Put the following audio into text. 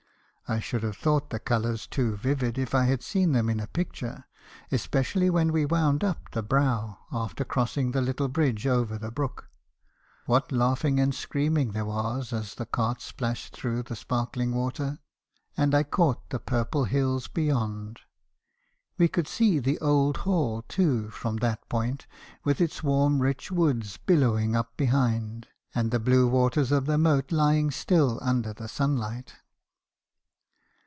I should have thought the colours too vivid, if I had seen them in a pic ture , especially when we wound up the brow, after crossing the little bridge over the brook — (what laughing and screaming there was as the cart splashed through the sparkling water!) — and I caught the purple hills beyond. We could see the old hall, too, from that point, with its warm rich woods billowing up behind, and the blue waters of the moat lying still under the sunlight.